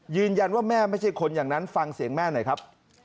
แม่ไม่ใช่คนอย่างนั้นฟังเสียงแม่หน่อยครับ